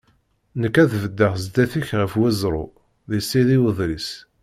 Nekk ad d-beddeɣ zdat-k ɣef weẓru, di Sidi Udris.